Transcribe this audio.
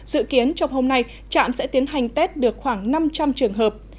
dự kiến trong hôm nay trạm sẽ tiến hành test được khoảng năm trăm linh trường hợp